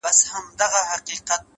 چي آدم نه وو! چي جنت وو دنيا څه ډول وه!